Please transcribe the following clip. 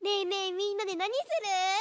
みんなでなにする？